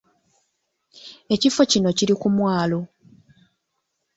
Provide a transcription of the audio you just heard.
Ekifo kino kiri ku mwalo.